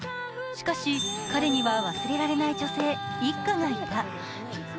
しかし、彼には忘れられない女性、一花がいた。